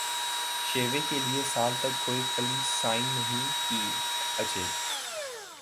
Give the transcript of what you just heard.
شیوے کیلئے سال تک کوئی فلم سائن نہیں کی اجے